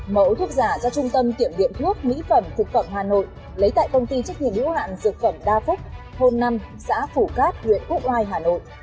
mẫu thuốc giả ra trung tâm tiệm điện thuốc mỹ phẩm thực phẩm hà nội lấy tại công ty trách nhiệm lưu hạn dược phẩm đa phúc thôn năm xã phủ cát huyện úc oai hà nội